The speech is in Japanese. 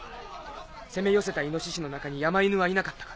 攻め寄せた猪の中に山犬はいなかったか？